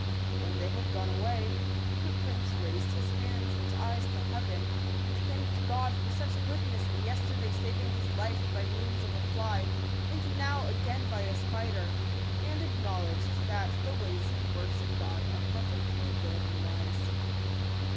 When they had gone away, the prince raised his hands and eyes to heaven, and thanked God i for such goodness in yesterday saving his life ! by means of a fly, and n#w again by a spider, I and acknowledged that the ways and works of God are perfectly good and wise.